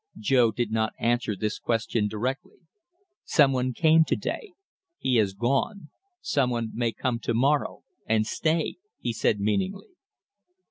Jo did not answer this question directly. "Some one came to day he is gone; some one may come to morrow and stay," he said meaningly.